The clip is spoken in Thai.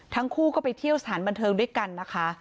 ทั้งคู่ก็ไปเที่ยวสถานบันเทิงด้วยกันนะคะ